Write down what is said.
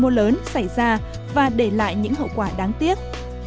nó là một cuộc tấn công lớn xảy ra và để lại những hậu quả đáng tiếc